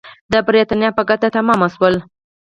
د برېټانیا په ګټه تمام شول.